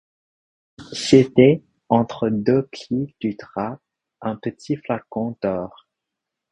C'était, entre deux plis du drap, un petit flacon d'or.